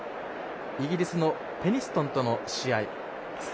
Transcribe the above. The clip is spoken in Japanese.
イギリスのペニストンとの試合。